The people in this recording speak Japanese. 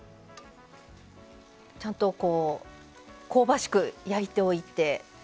ちゃんとこう香ばしく焼いておいて。